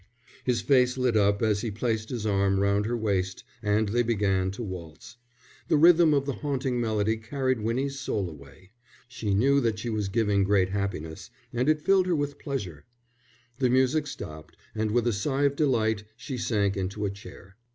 His face lit up as he placed his arm round her waist and they began to waltz. The rhythm of the haunting melody carried Winnie's soul away. She knew that she was giving great happiness, and it filled her with pleasure. The music stopped, and with a sigh of delight she sank into a chair.